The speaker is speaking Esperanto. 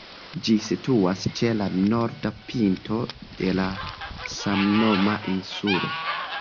Ĝi situas ĉe la norda pinto de la samnoma insulo.